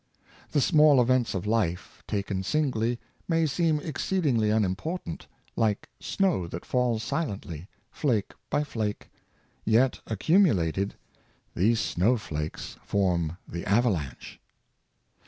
The small events of life, taken singly, may seem exceedingly unimportant, like snow that falls silently, flake by flake, yet accumulated, these snowflakes form the avalanche.